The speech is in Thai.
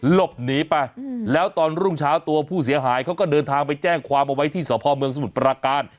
หลบหนีไปแล้วตอนรุ่งเช้าตัวผู้เสียหายเขาก็เดินทางไปแจ้งความเอาไว้ที่สพเมืองสมุทรปราการ